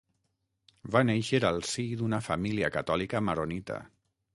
Va néixer al si d'una família catòlica maronita.